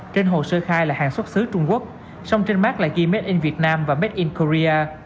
trên hồ sơ khai là hàng xuất xứ trung quốc song trên mark là ghi made in vietnam và made in coria